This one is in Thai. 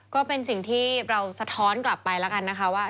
ก็เป็นสิ่งที่เราสะท้อนกลับไปแล้วกันนะคะว่า